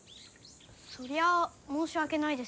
そりゃあ申し訳ないですけんど。